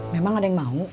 memang ada yang mau